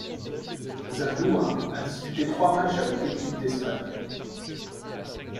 Zaldúa a disputé trois matchs avec l'équipe d'Espagne.